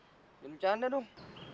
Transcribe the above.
jangan bercanda dong